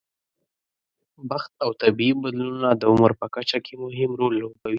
بخت او طبیعي بدلونونه د عمر په کچه کې مهم رول لوبوي.